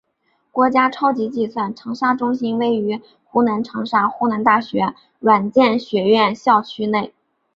国家超级计算长沙中心位于湖南长沙湖南大学软件学院校区内。